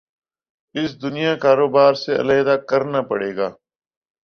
اس دنیا کاروبار سے علیحدہ کر پڑ گا